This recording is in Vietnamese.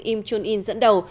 im chun in dẫn đầu